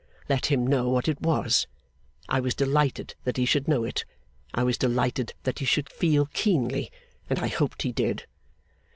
Let him know what it was! I was delighted that he should know it; I was delighted that he should feel keenly, and I hoped he did.